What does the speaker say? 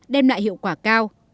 đem lại hiệu quả cao